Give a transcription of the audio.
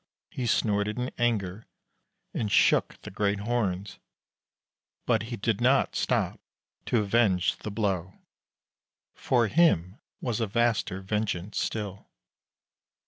He snorted in anger and shook the great horns, but he did not stop to avenge the blow. For him was a vaster vengeance still.